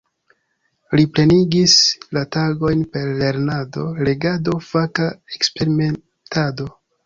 Li plenigis la tagojn per lernado, legado, faka eksperimentado.